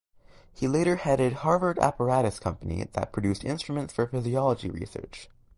He later headed Harvard Apparatus Company that produced instruments for physiology research.